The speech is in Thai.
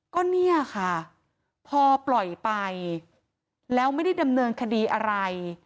ก็เนี่ยค่ะพอปล่อยไปแล้วไม่ได้ดำเนินคดีอะไร